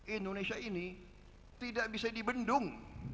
indonesia ini tidak bisa dibendung